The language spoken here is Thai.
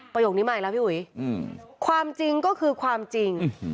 ประโยคนี้มาอีกแล้วพี่อุ๋ยความจริงก็คือความจริง